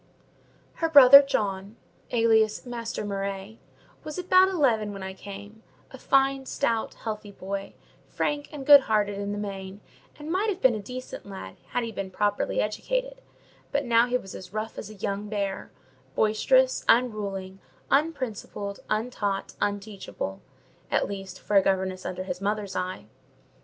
Her brother John, alias Master Murray, was about eleven when I came: a fine, stout, healthy boy, frank and good natured in the main, and might have been a decent lad had he been properly educated; but now he was as rough as a young bear, boisterous, unruly, unprincipled, untaught, unteachable—at least, for a governess under his mother's eye.